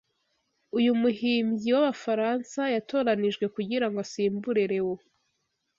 uyu muhimbyi w’Abafaransa yatoranijwe kugirango asimbure Lewo